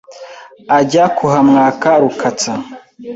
Ajya kuhamwaka Rukatsa